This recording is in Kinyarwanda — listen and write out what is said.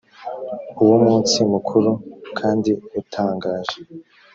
uwo munsi mukuru kandi utangaje